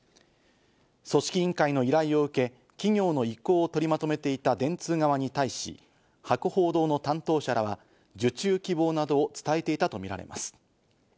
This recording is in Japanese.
組織委員会の依頼を受け、企業の意向を取りまとめていた電通側に対し、博報堂の担当者らは受注希望などを伝えていたとみられます。